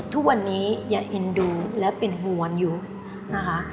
ทุกวันนี้อย่าเอ็นดูและเป็นห่วงอยู่นะคะ